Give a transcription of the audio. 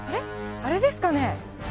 あれですかね？